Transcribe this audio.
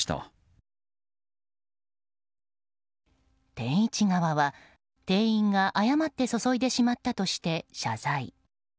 天一側は、店員が誤って注いでしまったとして謝罪。